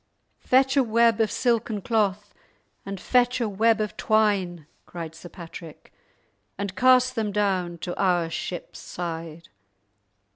"Fetch a web of silken cloth, and fetch a web of twine," cried Sir Patrick, "and cast them down to our ship's side!"